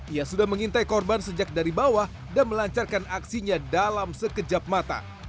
ia sudah mengintai korban sejak dari bawah dan melancarkan aksinya dalam sekejap mata